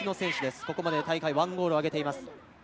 ここまで大会１ゴールをあげています。